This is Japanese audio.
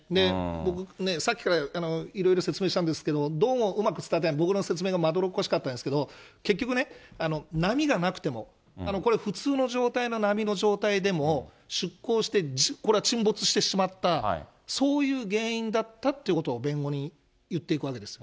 僕、さっきからいろいろ説明したんですけど、どうもうまく伝わってない、僕の説明がまどろっこしかったんですけど、結局ね、波がなくても、これ、普通の状態の波の状態でも、出航して、これは沈没してしまった、そういう原因だったっていうことを弁護人、言っていくわけです。